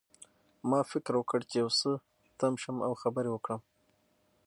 ما فکر وکړ چې یو څه تم شم او خبرې وکړم